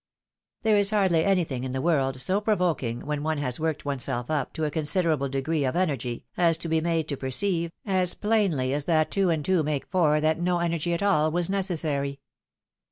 There is hardly anytliing in the world so provoking, when one has worked oneself up to a considerable degree of energy, as to be made to perceive, as plainly as that two and two make four, that no energy at all was necessary.